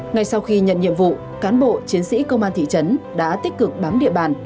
ngay sau khi nhận nhiệm vụ cán bộ chiến sĩ công an thị trấn đã tích cực bám địa bàn